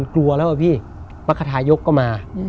กลัวแล้วอะพี่มัฆฐายกก็มา